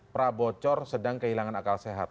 prabocor sedang kehilangan akal sehat